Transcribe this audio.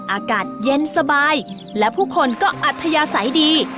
อากาศเย็นสบายและผู้คนก็อัธยาศัยดี